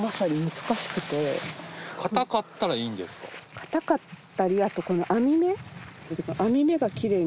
堅かったりあとこの網目。